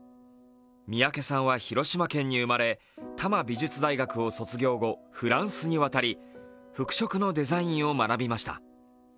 三宅さんは広島県に生まれ多摩美術大学を卒業後フランスに渡り、服飾のデザインを学びました。